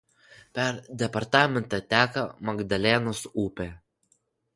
Per departamentą teka Magdalenos upė.